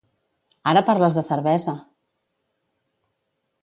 Ara parles de cervesa!